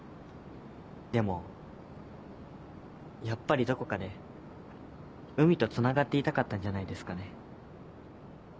でもやっぱりどこかで海とつながっていたかったんじゃないですかね。